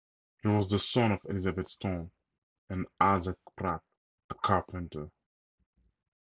He was the son of Elizabeth Stone and Asa Pratt, a carpenter.